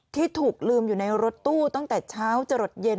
ที่ถูกลืมอยู่ในรถตู้ตั้งแต่เช้าจะหลดเย็น